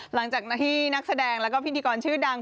หลังจากที่นักแสดงแล้วก็พิธีกรชื่อดัง